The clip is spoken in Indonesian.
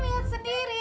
tati kan lihat sendiri